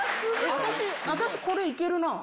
私、これ、いけるな。